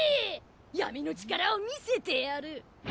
闇の力を見せてやる。